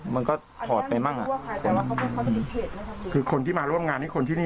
มันก็ถอดไปบ้างอ่ะ